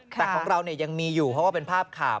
แต่ของเรายังมีอยู่เพราะว่าเป็นภาพข่าว